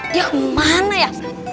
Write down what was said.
dia kemana ya